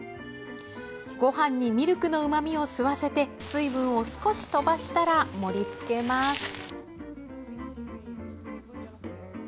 ごはんにミルクのうまみを吸わせて水分を少し飛ばしたら盛りつけます。